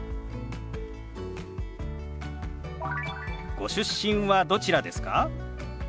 ご出身はどちらですか？